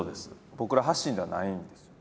僕ら発信ではないんですよね。